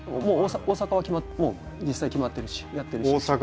もう大阪はもう実際決まってるしやってるし。